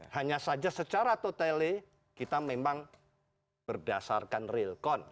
hanya saja secara totali kita memang berdasarkan real count